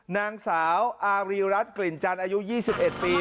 นางสาวอารีรัฐกลิ่นจันทร์อายุ๒๑ปี